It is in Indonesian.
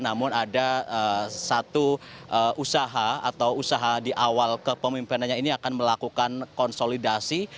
namun ada satu usaha atau usaha di awal kepemimpinannya ini akan melakukan konsolidasi